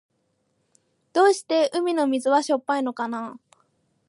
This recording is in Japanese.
どうして海の水はしょっぱいのかな。